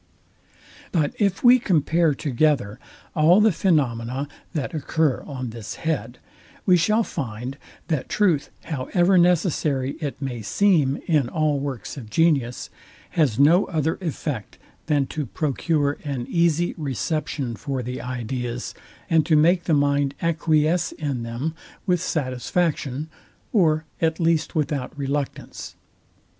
But if we compare together all the phenomena that occur on this head, we shall find, that truth, however necessary it may seem in all works of genius, has no other effect than to procure an easy reception for the ideas, and to make the mind acquiesce in them with satisfaction, or at least without reluctance.